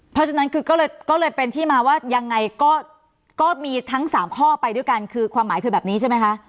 เพราะฉะนั้นคือก็เลยเป็นที่มาว่ายังไงก็มีทั้ง๓ข้อไปด้วยกันคือความหมายคือแบบนี้ใช่ไหมคะ